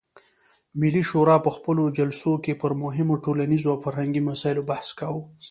ملي شورا په خپلو جلسو کې پر مهمو ټولنیزو او فرهنګي مسایلو بحث کاوه.